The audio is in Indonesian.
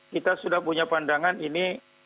kita sudah punya pandangan ini